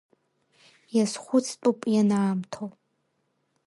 Иазхәыцтәуп ианаамҭоу…